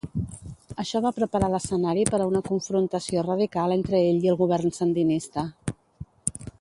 Això va preparar l'escenari per a una confrontació radical entre ell i el govern sandinista.